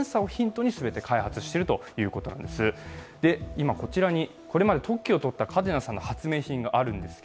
今こちらにこれまで特許をとった嘉手納さんの発明品があります。